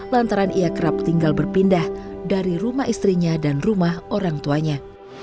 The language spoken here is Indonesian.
lantaran ia kerap tinggal berpindah dari rumah istrinya dan rumah orang tuanya